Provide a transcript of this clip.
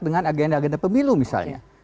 dengan agenda agenda pemilu misalnya